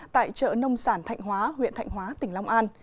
tại chợ nông sản thạnh hóa huyện thạnh hóa tỉnh long an